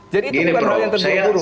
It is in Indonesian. jadi itu bukan hal yang terburu buru